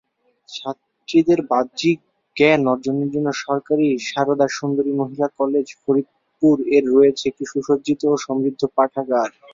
ছাত্রীদের বাহ্যিক জ্ঞান অর্জনের জন্য সরকারি সারদা সুন্দরী মহিলা কলেজ ফরিদপুর এর রয়েছে একটি সুসজ্জিত ও সমৃদ্ধ পাঠাগার।